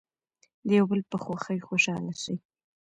د یو بل په خوښۍ خوشحاله شئ.